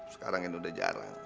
sekarang ini udah jarang